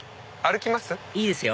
歩きます？